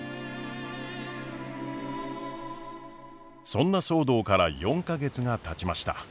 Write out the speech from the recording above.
そんな騒動から４か月がたちました。